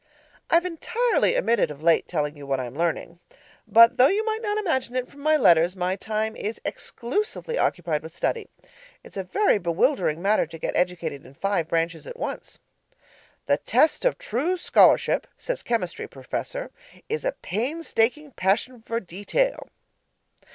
I've entirely omitted of late telling you what I am learning, but though you might not imagine it from my letters, my time is exclusively occupied with study. It's a very bewildering matter to get educated in five branches at once. 'The test of true scholarship,' says Chemistry Professor, 'is a painstaking passion for detail.'